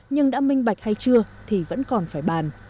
nhưng đã minh bạch hay chưa thì vẫn còn phải bàn